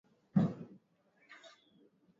Simulizi ya Wazazi Wanaolea Watoto wa Rangi Tofauti